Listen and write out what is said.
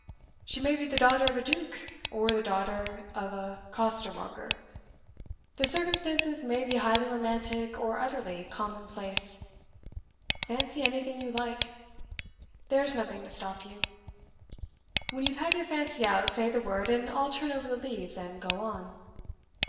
She may be the daughter of a duke, or the daughter of a costermonger. The circumstances may be highly romantic, or utterly commonplace. Fancy anything you like there's nothing to stop you. When you've had your fancy out, say the word, and I'll turn over the leaves and go on."